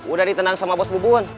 udah ditenang sama bos bubun